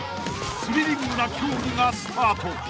［スリリングな競技がスタート］